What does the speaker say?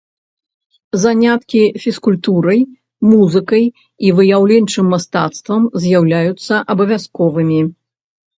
Заняткі фізкультурай, музыкай і выяўленчым мастацтвам з'яўляюцца абавязковымі.